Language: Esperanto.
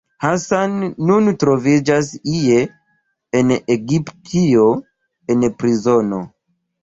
Hassan nun troviĝas ie en Egiptio, en prizono.